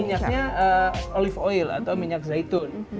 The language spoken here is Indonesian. minyaknya olive oil atau minyak zaitun